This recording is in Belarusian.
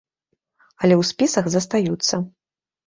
Але ў спісах застаюцца.